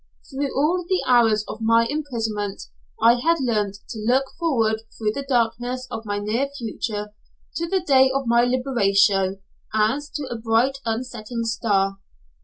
Through all the hours of my imprisonment I had learnt to look forward through the darkness of my nearer future to the day of my liberation as to a bright unsetting star.